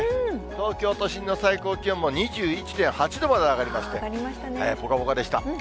東京都心の最高気温も２１．８度まで上がりまして、ぽかぽかでした。